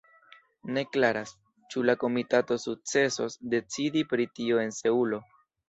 Ne klaras, ĉu la komitato sukcesos decidi pri tio en Seulo.